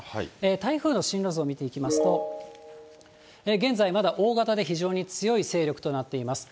台風の進路図を見ていきますと、現在、まだ大型で非常に強い勢力となっています。